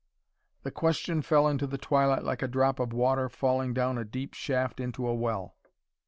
The question fell into the twilight like a drop of water falling down a deep shaft into a well.